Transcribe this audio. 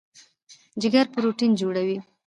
جګر پروټین جوړوي.